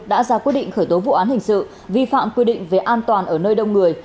đã ra quyết định khởi tố vụ án hình sự vi phạm quy định về an toàn ở nơi đông người